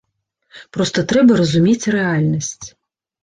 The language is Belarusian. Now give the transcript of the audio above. Проста трэба разумець рэальнасць.